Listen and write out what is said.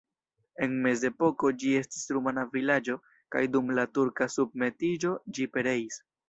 En mezepoko ĝi estis rumana vilaĝo kaj dum la turka submetiĝo ĝi pereis.